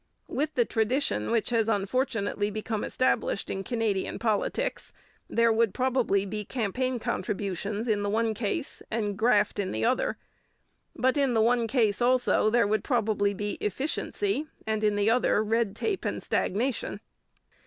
With the traditions which has unfortunately become established in Canadian politics, there would probably be campaign contributions in the one case and graft in the other, but in the one case, also, there would probably be efficiency, and in the other red tape and stagnation.